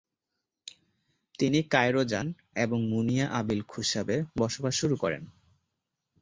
তিনি কায়রো যান এবং মুনিয়া আবিল খুসাবে বসবাস শুরু করেন।